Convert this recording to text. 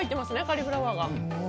カリフラワーが。